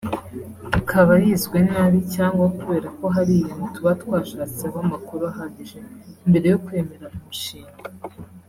Ikaba yizwe nabi cyangwa kubera ko hari ibintu tuba twashatseho amakuru ahagije mbere yo kwemera umushinga